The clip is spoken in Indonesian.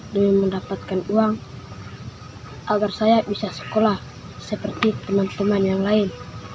demi mendapatkan uang agar saya bisa sekolah seperti teman teman yang lain